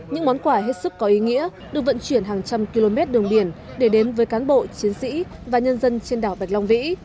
những món quà hết sức có ý nghĩa được vận chuyển hàng trăm km đường biển để đến với cán bộ chiến sĩ và nhân dân trên đảo bạch long vĩ